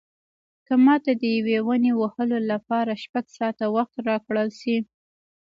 که ماته د یوې ونې وهلو لپاره شپږ ساعته وخت راکړل شي.